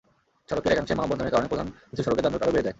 সড়কের একাংশে মানববন্ধনের কারণে প্রধান কিছু সড়কে যানজট আরও বেড়ে যায়।